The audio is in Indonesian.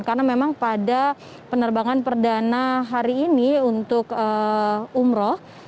karena memang pada penerbangan perdana hari ini untuk umroh